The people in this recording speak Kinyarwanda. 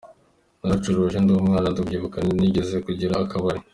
Naracuruje ndi umwana, ndabyibuka nigeze kugira akabari.